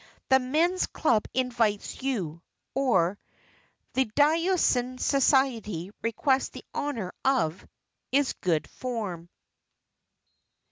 "The Men's Club invites you" or "The Diocesan Society requests the honor of" is good form.